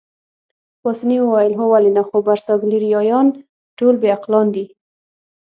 پاسیني وویل: هو ولې نه، خو برساګلیریايان ټول بې عقلان دي.